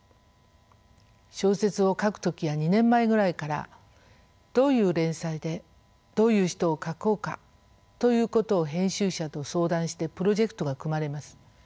小説を書く時は２年前ぐらいからどういう連載でどういう人を書こうかということを編集者と相談してプロジェクトが組まれます。